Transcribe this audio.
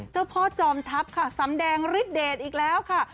เจ้าพ่อจอมทัพค่ะสำแดงฤทเดชอีกแล้วค่ะ